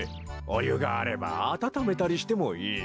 おゆがあればあたためたりしてもいい。